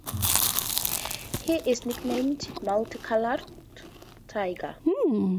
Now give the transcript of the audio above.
He is nicknamed "Multicoloured Tiger".